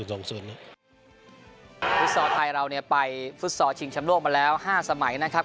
ฟุตสอต์ไทยเราเนี่ยไปฟุตสอต์ชิงแชมพ์โลกมาแล้ว๕สมัยนะครับ